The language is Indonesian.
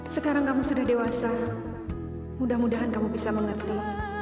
sekarang kamu sudah dewasa mudah mudahan kamu bisa mengerti